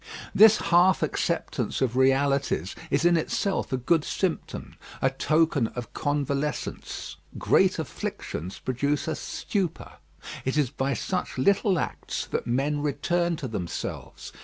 This half acceptance of realities is in itself a good symptom, a token of convalescence. Great afflictions produce a stupor; it is by such little acts that men return to themselves.